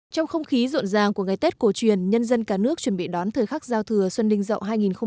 trong không khí ruộng ràng của ngày tết cổ truyền nhân dân cả nước chuẩn bị đón thời khắc giao thừa xuân đình dậu hai nghìn một mươi bảy